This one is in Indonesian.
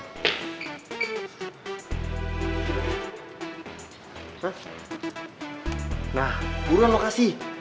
hah nah buruan lo kasi